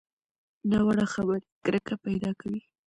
ناوړه خبرې کرکه پیدا کوي